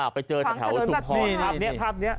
ไปเจอแถวสุขภ้อนภาพนี้